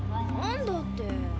「なんだ」って。